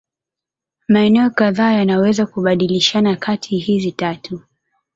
Maeneo kadhaa yanaweza kubadilishana kati hizi tatu.